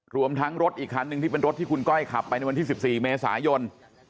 รวมทั้งรถอีกคันหนึ่งที่เป็นรถที่คุณก้อยขับไปในวันที่๑๔เมษายน